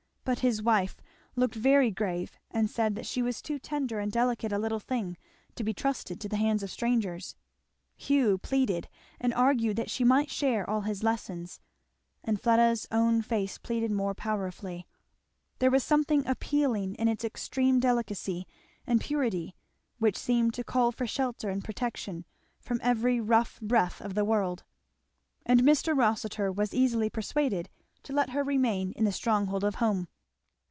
But his wife looked very grave and said that she was too tender and delicate a little thing to be trusted to the hands of strangers; Hugh pleaded, and argued that she might share all his lessons; and Fleda's own face pleaded more powerfully. There was something appealing in its extreme delicacy and purity which seemed to call for shelter and protection from every rough breath of the world; and Mr. Rossitur was easily persuaded to let her remain in the stronghold of home.